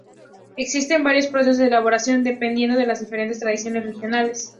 Existen varios procesos de elaboración dependiendo de las diferentes tradiciones regionales.